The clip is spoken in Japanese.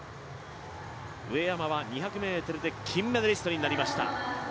上山は２００ｍで金メダリストになりました。